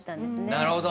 なるほど。